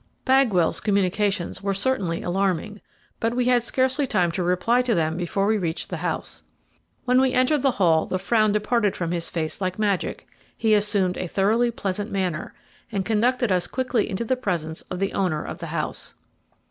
Bagwell's communications were certainly alarming, but we had scarcely time to reply to them before we reached the house. When we entered the hall the frown departed from his face like magic, he assumed a thoroughly pleasant manner, and conducted us quickly into the presence of the owner of the house.